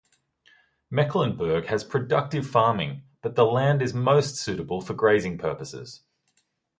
Mecklenburg has productive farming, but the land is most suitable for grazing purposes.